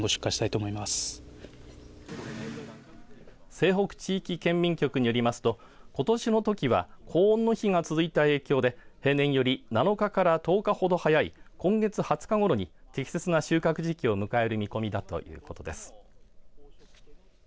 西北地域県民局によりますとことしのトキは高温の日が続いた影響で平年より７日から１０日ほど早い今月２０日ごろに適切な収穫時期を迎える見込みだということです。